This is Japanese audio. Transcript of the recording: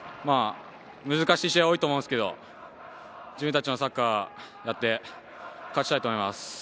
難しい試合は多いと思うんですけれど、自分達のサッカーをやって勝ちたいと思います。